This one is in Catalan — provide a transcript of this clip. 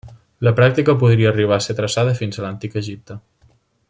La pràctica podria arribar a ser traçada fins a l'Antic Egipte.